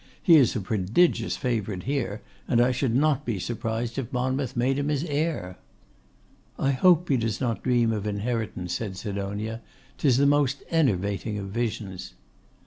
He is a prodigious favourite here, and I should not be surprised if Monmouth made him his heir.' 'I hope he does not dream of inheritance,' said Sidonia. ''Tis the most enervating of visions.